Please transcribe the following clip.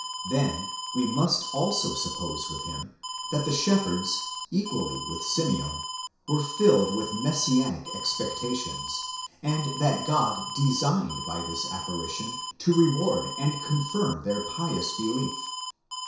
Then we must also suppose with him, that the shepherds, equally with Simeon, were filled with Messianic expectations, and that God designed by this apparition to reward and confirm their pious belief.